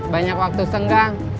banyak waktu senggang